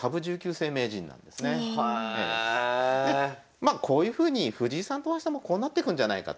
まあこういうふうに藤井さんと大橋さんもこうなってくんじゃないかと。